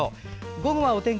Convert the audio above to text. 午後はお天気